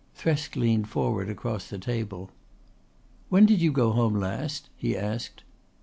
Thresk leaned forward across the table. "When did you go home last?" he asked.